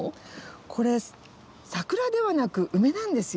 これ桜ではなくウメなんですよ。